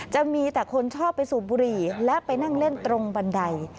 จะมีแต่คนชอบไปสูบบุหรี่และไปนั่งเล่นตรงบันได